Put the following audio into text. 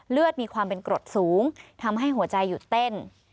มีความเป็นกรดสูงทำให้หัวใจหยุดเต้น